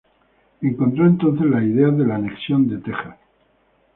Encontró entonces la idea de la anexión de Texas.